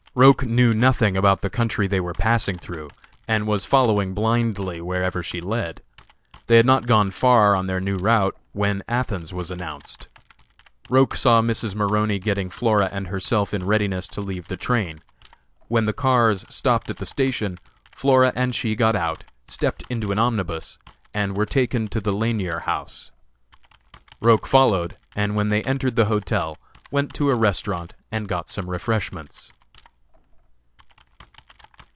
Roch knew nothing about the country they were passing through, and was following blindly wherever she led. They had not gone far on their new route when Athens was announced. Roch saw Mrs. Maroney getting Flora and herself in readiness to leave the train. When the cars stopped at the station Flora and she got out, stepped into an omnibus, and were taken to the Lanier House. Roch followed, and when they entered the hotel, went to a restaurant and got some refreshments.